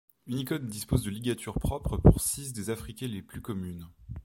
Unicode dispose de ligatures propres pour six des affriquées les plus communes.